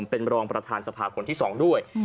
เป็นรองประธานสภาคนที่๒ด้วย